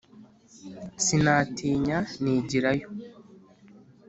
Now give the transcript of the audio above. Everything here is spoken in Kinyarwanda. Sinatinya nigira yo.